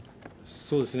そうですね。